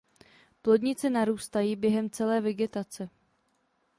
Plodnice narůstající během celé vegetace.